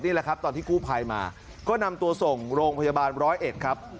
นี่แหละครับตอนที่กู้ภัยมาก็นำตัวส่งโรงพยาบาลร้อยเอ็ดครับ